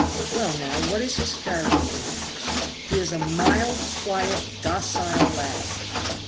"Well, now, what is his character, may I ask?" "HE IS A MILD, QUIET, DOCILE LAD."